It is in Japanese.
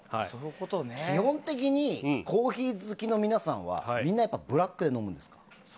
基本的にコーヒー好きの皆さんはみんなブラックで飲むんですか？